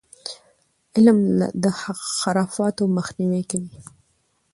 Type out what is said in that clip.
علم د خرافاتو مخنیوی کوي.